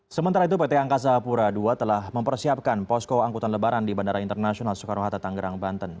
sementara itu pt angkasa pura ii telah mempersiapkan posko angkutan lebaran di bandara internasional soekarno hatta tanggerang banten